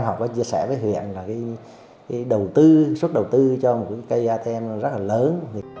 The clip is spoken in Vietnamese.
học có chia sẻ với huyện là cái đầu tư suất đầu tư cho một cây atm rất là lớn